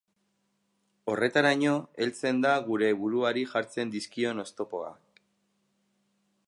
Horretaraino heltzen da gure buruari jartzen dizkion oztopoak.